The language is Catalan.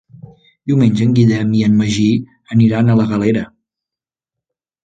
Diumenge en Guillem i en Magí aniran a la Galera.